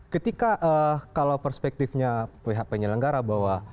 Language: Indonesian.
ketika kalau perspektifnya pihak penyelenggara bahwa